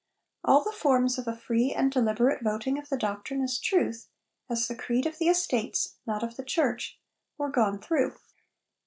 All the forms of a free and deliberate voting of the doctrine as truth as the creed of the estates, not of the Church, were gone through.